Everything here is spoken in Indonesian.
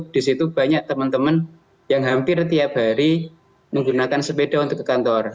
di situ banyak teman teman yang hampir tiap hari menggunakan sepeda untuk ke kantor